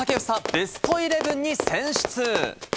ベストイレブンに選出。